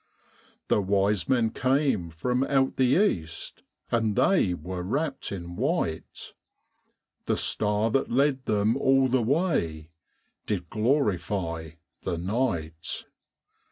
The wise men came from out the east, And they were wrapped in white; The star that led them all the way Did glorify the night.